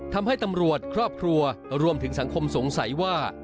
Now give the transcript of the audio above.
ทำให้ตำรวจครอบครัวรวมถึงสังคมสงสัยว่า